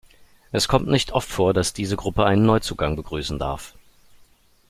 Es kommt nicht oft vor, dass die Gruppe einen Neuzugang begrüßen darf.